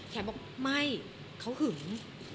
แคบว่าไม่เขาหึง